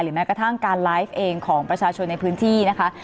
แม้กระทั่งการไลฟ์เองของประชาชนในพื้นที่นะคะ